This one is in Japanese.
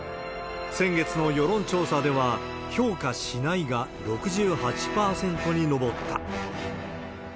先月の世論調査では、評価しないが６８％に上った。